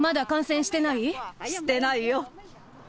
してないよ。